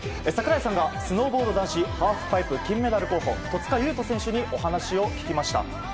櫻井さんがスノーボード男子ハーフパイプ金メダル候補、戸塚優斗選手にお話を聞きました。